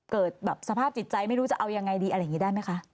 เกิดแบบสภาพจิตใจไม่รู้จะเอายังไงดีอะไรอย่างนี้ได้ไหมคะ